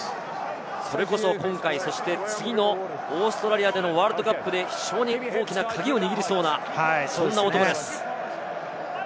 今回、そして次のオーストラリアでのワールドカップで非常に大きなカギを握りそうな、そんな男です。